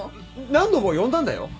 何度も呼んだんだよ？